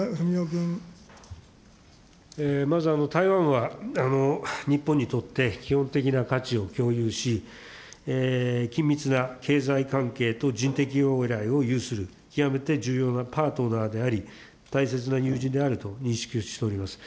まず、台湾は日本にとって基本的な価値を共有し、緊密な経済関係と人的往来を有する極めて重要なパートナーであり、大切な友人であると認識をしております。